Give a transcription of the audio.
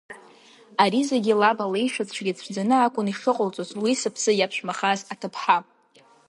Ари зегьы лаб алеишәацәгьа ицәӡаны акән ишыҟалҵоз, уи сыԥсы иаԥшәмахаз аҭыԥҳа!